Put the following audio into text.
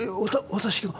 私が？